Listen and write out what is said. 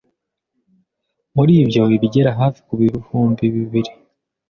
Muri byo ibigera hafi ku bihumbi bibiri